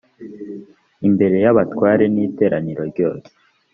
imbere y abatware n iteraniro ryose